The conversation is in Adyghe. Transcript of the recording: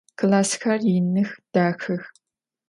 Klassxer yinıx, daxex.